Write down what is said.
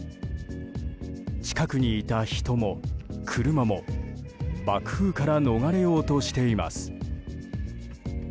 近くにいた人も、車も爆風から逃れようとしています。